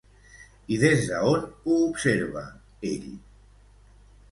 I des d'on ho observa ell?